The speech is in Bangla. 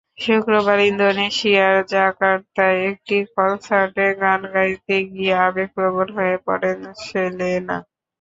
শুক্রবার ইন্দোনেশিয়ার জাকার্তায় একটি কনসার্টে গান গাইতে গিয়ে আবেগপ্রবণ হয়ে পড়েন সেলেনা।